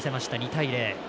２対０。